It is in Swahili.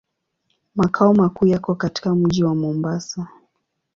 Makao makuu yako katika mji wa Mombasa.